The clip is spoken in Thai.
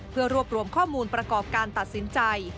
เพื่อรวบรวมข้อมูลประกอบการตัดสินใจ